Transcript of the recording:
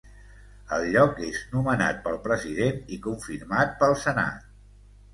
El lloc és nomenat pel president i confirmat pel Senat.